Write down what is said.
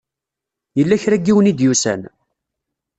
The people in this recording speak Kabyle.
Yella kra n yiwen i d-yusan?